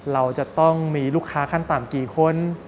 เราจะต้องมีลูกค้าขั้นต่ำกี่คน